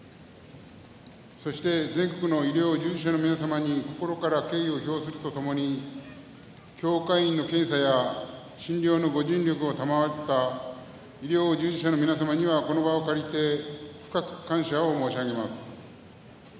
そして全国の医療従事者の皆様に心から敬意を表するとともに協会員の検査や診療のご尽力を賜った医療従事者の皆様にはこの場を借りて深く感謝申し上げます。